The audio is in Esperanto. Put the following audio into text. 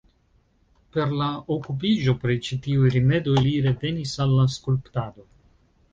Per la okupiĝo pri ĉi tiuj rimedoj li revenis al la skulptado.